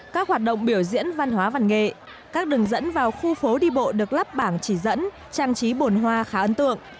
các hoạt động biểu diễn văn hóa văn nghệ các đường dẫn vào khu phố đi bộ được lắp bảng chỉ dẫn trang trí bồn hoa khá ấn tượng